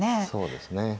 そうですね。